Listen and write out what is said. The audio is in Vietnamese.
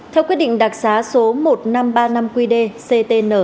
theo quyết định đặc xá số một nghìn năm trăm ba mươi năm qd ctn